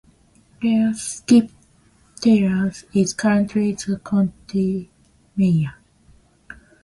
Rhea "Skip" Taylor is currently the county mayor.